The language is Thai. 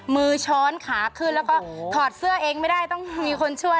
ช้อนขาขึ้นแล้วก็ถอดเสื้อเองไม่ได้ต้องมีคนช่วย